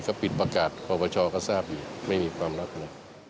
ก็ปิดประกาศความประชาก็ทราบอยู่ไม่มีความลับอะไร